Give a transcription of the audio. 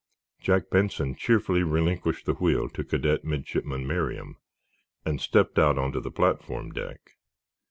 Jack Benson cheerfully relinquished the wheel to Cadet Midshipman Merriam, and stepped out on to the platform deck.